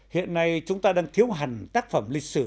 hiện nay chúng ta đang thiếu hành tác phẩm lịch sử